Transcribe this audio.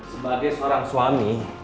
sebagai seorang suami